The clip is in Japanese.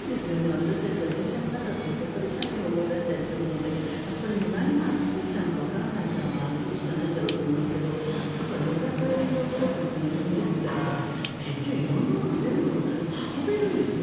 私たちは電車の中というとサリンを思い出したりするので何が起きたのかわからないからあれするしかないんだと思いますが旅客営業規則って読んでみたら結局、色んなもの全部運べるんですね。